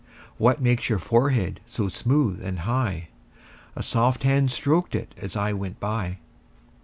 What makes your forehead so smooth and high? A soft hand stroked it as I went by.